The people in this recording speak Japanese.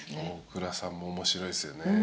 大倉さんも面白いっすよね。